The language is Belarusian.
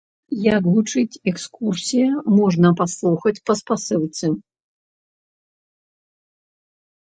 Як гучыць экскурсія, можна паслухаць па спасылцы.